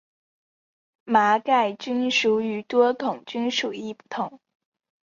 麻盖菌属与多孔菌属亦不同。